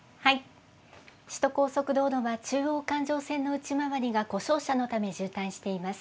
首都高速道路は中央環状線の内回りが故障車のため渋滞しています。